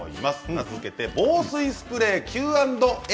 名付けて防水スプレー